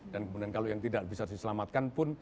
dan kemudian kalau yang tidak bisa diselamatkan pun